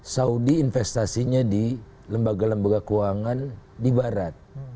saudi investasinya di lembaga lembaga keuangan di barat